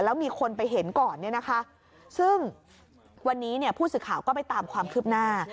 แล้วมีคนไปเห็นก่อนเนี่ยนะคะซึ่งวันนี้เนี่ยผู้สื่อข่าวก็ไปตามความคืบหน้า